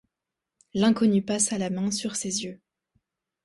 L’inconnu passa la main sur ses yeux